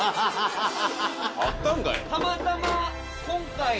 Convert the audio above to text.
今回。